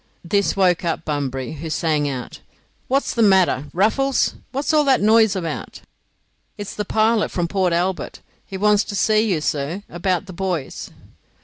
This woke up Bunbury, who sang out: "What's the matter, Ruffles? What's all that noise about?" "It's the pilot from Port Albert. He wants to see you, sir, about the buoys."